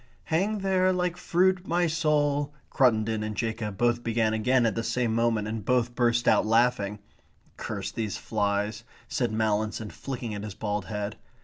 "'Hang there like fruit my soul,'" Cruttendon and Jacob both began again at the same moment, and both burst out laughing. "Curse these flies," said Mallinson, flicking at his bald head.